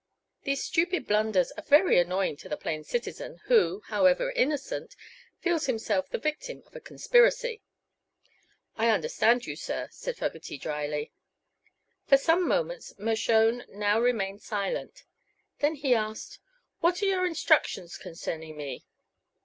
These stupid blunders are very annoying to the plain citizen, who, however innocent, feels himself the victim of a conspiracy." "I understand you, sir," said Fogerty, drily. For some moments Mershone now remained silent. Then he asked; "What are your instructions concerning me?"